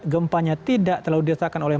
gempanya tidak terlalu dirasakan oleh